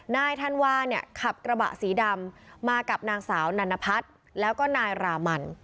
นายธันวาเนี่ยขับกระบะสีดำมากับนางสาวนันพัฒน์แล้วก็นายรามัน